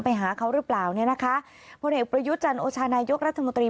ไปหาเขาหรือเปล่าเนี่ยนะคะพลเอกประยุทธ์จันโอชานายกรัฐมนตรี